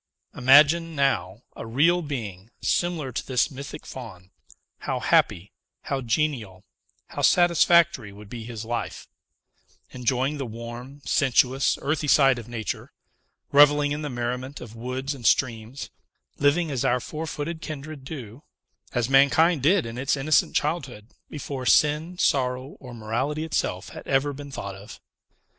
"Imagine, now, a real being, similar to this mythic Faun; how happy, how genial, how satisfactory would be his life, enjoying the warm, sensuous, earthy side of nature; revelling in the merriment of woods and streams; living as our four footed kindred do, as mankind did in its innocent childhood; before sin, sorrow or morality itself had ever been thought of!